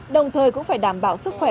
đồng thời cũng phải đảm bảo sức khỏe